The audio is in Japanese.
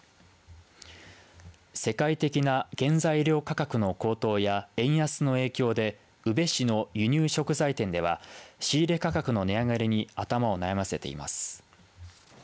世界的な原材料価格の高騰や円安の影響で宇部市の輸入食材店では仕入れ価格の値上がりに頭を悩ませています。